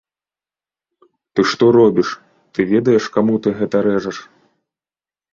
Ты што робіш, ты ведаеш каму ты гэта рэжаш?